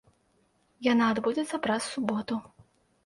Яна адбудзецца праз суботу.